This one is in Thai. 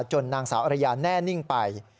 นางสาวอรยาแน่นิ่งไป